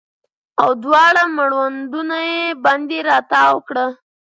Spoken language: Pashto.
او دواړه مړوندونه یې باندې راتاو کړه